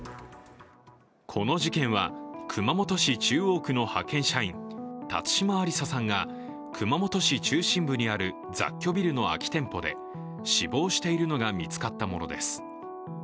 この事件は、熊本市中央区の派遣社員辰島ありささんが熊本市中心部にある雑居ビルの空き店舗で死亡しているのが見つかったものです。